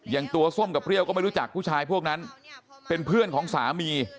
อย่างตัวส้มกับเปรี้ยวก็ไม่รู้จักผู้ชายพวกนั้นเป็นเพื่อนของสามี